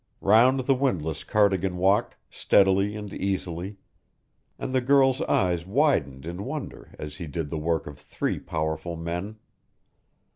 Round the windlass Cardigan walked, steadily and easily, and the girl's eyes widened in wonder as he did the work of three powerful men.